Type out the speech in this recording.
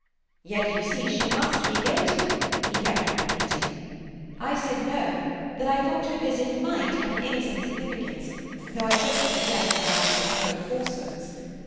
"Yet you see she must be guilty," he kept on repeating. I said no, that I thought her visit might have an innocent significance, though I couldn't suggest why she had told falsehoods.